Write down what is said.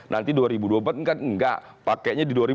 nanti dua ribu dua puluh empat kan enggak pakainya di dua ribu dua puluh